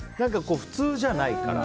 普通じゃないから。